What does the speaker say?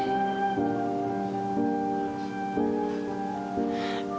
dan saling mencintai